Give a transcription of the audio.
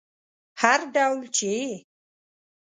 هر ډول چې یې